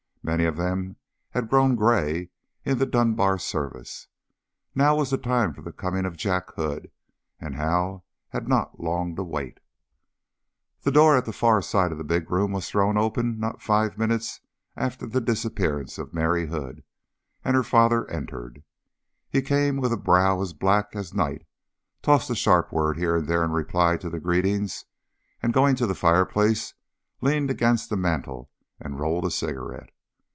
Many of them had grown gray in the Dunbar service. Now was the time for the coming of Jack Hood, and Hal had not long to wait. The door at the far side of the big room was thrown open not five minutes after the disappearance of Mary Hood, and her father entered. He came with a brow as black as night, tossed a sharp word here and there in reply to the greetings, and going to the fireplace leaned against the mantel and rolled a cigarette.